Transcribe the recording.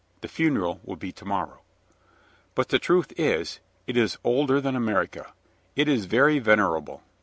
The funeral will be to morrow." But the truth is, it is older than America; it is very venerable.